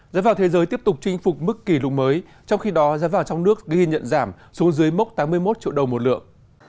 giá vàng thế giới tiếp tục chinh phục mức kỷ lục mới trong khi đó giá vàng trong nước ghi nhận giảm xuống dưới mốc tám mươi một triệu đồng một lượng